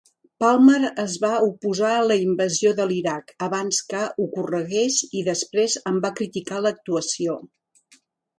Palmer es va oposar a la invasió de l'Iraq abans que ocorregués i després en va criticar l'actuació.